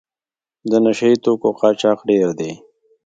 د نشه یي توکو قاچاق ډېر دی.